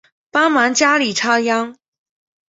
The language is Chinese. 帮忙家里插秧